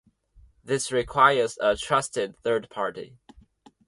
This requires a trusted third party.